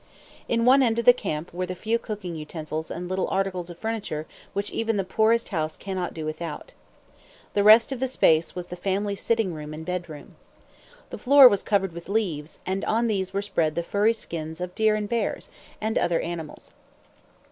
In one end of the camp were the few cooking utensils and little articles of furniture which even the poorest house cannot do without. The rest of the space was the family sitting room and bed room. The floor was covered with leaves, and on these were spread the furry skins of deer and bears, and other animals.